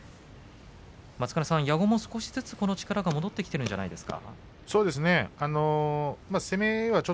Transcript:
矢後も少しずつ力が戻ってきているんじゃないですか。